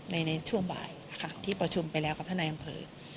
ในช่วงบ่ายนะคะที่ประชุมไปแล้วกับท่านนายอำเภอ